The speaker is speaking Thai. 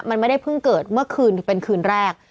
มันไม่ได้เพิ่งเกิดเมื่อคืนเป็นคืนแรก